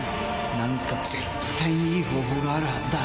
なんか絶対にいい方法があるはずだ。